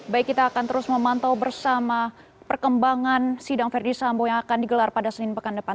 baik kita akan terus memantau bersama perkembangan sidang verdi sambo yang akan digelar pada senin pekan depan